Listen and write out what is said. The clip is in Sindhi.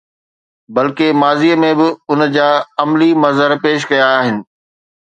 بلڪه ماضيءَ ۾ ان جا عملي مظهر پيش ڪيا آهن.